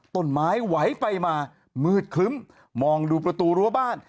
ต้นไม้ไหวไปมามืดคลึ้มมองดูประตูรั้วบ้าน